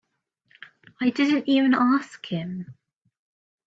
I didn't even ask him.